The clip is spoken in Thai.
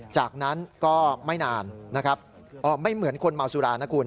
จากนั้นก็ไม่นานนะครับไม่เหมือนคนเมาสุรานะคุณ